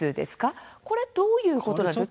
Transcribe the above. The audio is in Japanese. これはどういうことなんでしょうか。